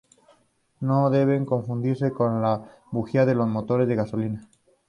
No deben confundirse con la bujía de los motores de gasolina.